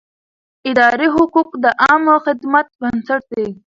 اداري حقوق د عامه خدمت بنسټ دی.